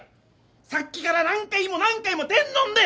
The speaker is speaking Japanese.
さっきから何回も何回も天丼で！